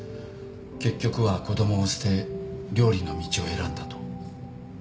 結局は子供を捨て料理の道を選んだと。